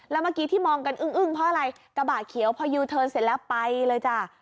แล้วเมื่อกี้ที่มองกันอึ้งเพราะอะไรกระบะเขียวพอยูเทิร์นเสร็จแล้วไปเลยจ้ะ